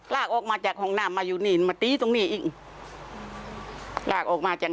ลากออกมาจากโฮงน่ามมาอยู่นี่มาตีบตรงนี้อีก